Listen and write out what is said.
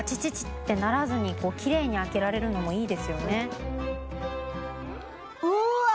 ってならずにきれいに開けられるのもいいですよね。